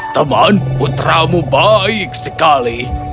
teman putramu baik sekali